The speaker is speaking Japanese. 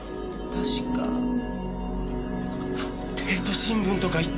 確か帝都新聞とか言ってた！